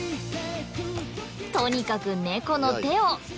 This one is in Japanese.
とにかくネコの手を。